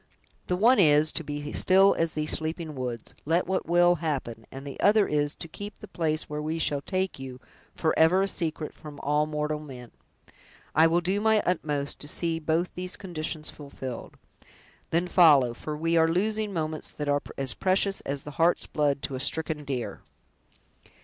"The one is, to be still as these sleeping woods, let what will happen and the other is, to keep the place where we shall take you, forever a secret from all mortal men." "I will do my utmost to see both these conditions fulfilled." "Then follow, for we are losing moments that are as precious as the heart's blood to a stricken deer!"